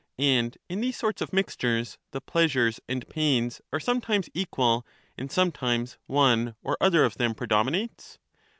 And in these sorts of mixtures the pleasures and Either pains are sometimes equal, and sometimes one or other of ^^y p^^ them predominates